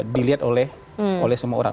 dilihat oleh semua orang